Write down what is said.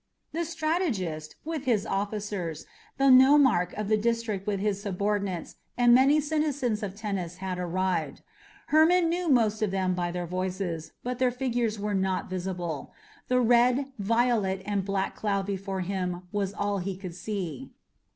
The strategist, with his officers, the nomarch of the district with his subordinates, and many citizens of Tennis had arrived. Hermon knew most of them by their voices, but their figures were not visible. The red, violet, and black cloud before him was all he could see.